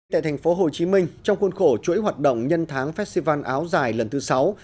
tại thành phố hồ chí minh trong khuôn khổ chuỗi hoạt động nhân tháng festival áo dài lần thứ sáu